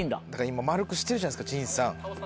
今丸くしてるじゃないですか陣さん。